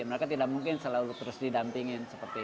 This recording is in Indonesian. mereka tidak mungkin selalu terus didampingin seperti itu